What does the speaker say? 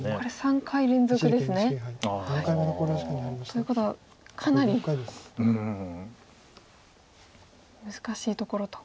ということはかなり難しいところと。